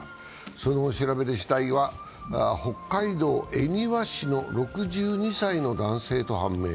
その後の調べで、死体は北海道恵庭市の６２歳の男性と判明。